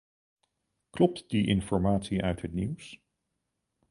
Klopt die informatie uit het nieuws?